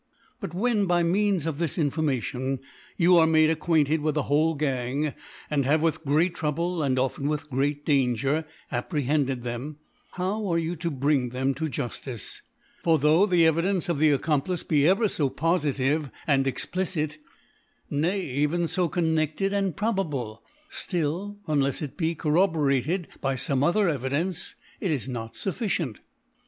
But when, by means of his Information, you are made acquainted with the whole Gang, and have, with great Trouble, and often with great Danger, apprehended them, how are you to bring them to Jufticc ? for though the Evidence of the Accomplice be" be ever (b pofitive and explicite, nay ever fo connefted and probable, dill, unlefs it be corroborated by fome other Evidence, it is not fufficient.